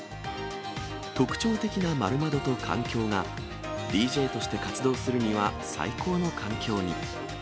特徴的な丸窓と環境が、ＤＪとして活動するには最高の環境に。